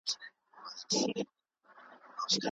دفاع وزارت بهرنی استازی نه ګواښي.